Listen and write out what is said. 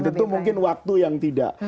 tentu mungkin waktu yang tidak